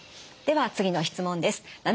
では次の質問です。